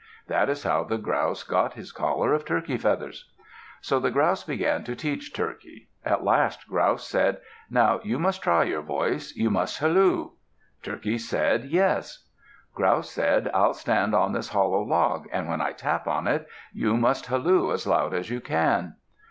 That is how the Grouse got his collar of turkey feathers. So the Grouse began to teach Turkey. At last Grouse said, "Now you must try your voice. You must halloo." Turkey said, "Yes." Grouse said, "I'll stand on this hollow log, and when I tap on it, you must halloo as loudly as you can."